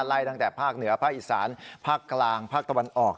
ไล่ตั้งแต่ภาคเหนือภาคอีสานภาคกลางภาคตะวันออก